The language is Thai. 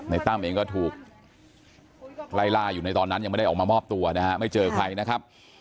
ตั้มเองก็ถูกไล่ล่าอยู่ในตอนนั้นยังไม่ได้ออกมามอบตัวนะฮะไม่เจอใครนะครับ